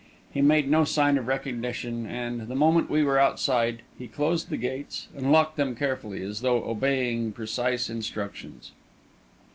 He made no sign of recognition, and, the moment we were outside, he closed the gates and locked them carefully, as though obeying precise instructions.